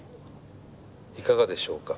いかがでしょうか？